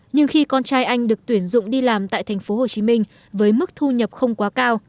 nhưng khi con trai anh được tuyển dụng đi làm tại tp hcm với mức thu nhập không quá cao